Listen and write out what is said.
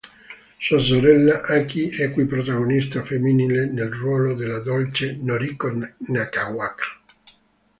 Sua sorella Aki è qui protagonista femminile nel ruolo della dolce Noriko Nakagawa.